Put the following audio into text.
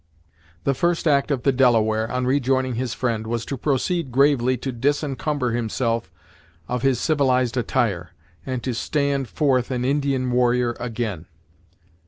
The first act of the Delaware, on rejoining his friend, was to proceed gravely to disencumber himself of his civilized attire, and to stand forth an Indian warrior again.